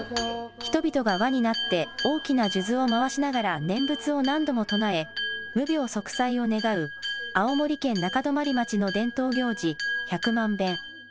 人々が輪になって、大きな数珠を回しながら念仏を何度も唱え、無病息災を願う青森県中泊町の伝統行事、百万遍。